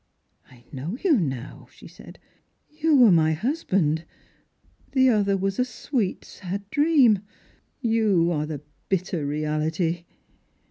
" I know you now," she said ;" you are my husband. The other was a sweet sad dream. You arc the bitter reality